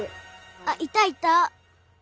あっいたいた！